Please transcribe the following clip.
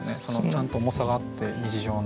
ちゃんと重さがあって日常の。